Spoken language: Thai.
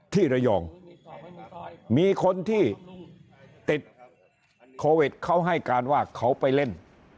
ที่ระยองมีคนที่ติดโควิดเขาให้การว่าเขาไปเล่น